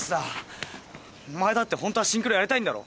お前だってホントはシンクロやりたいんだろ。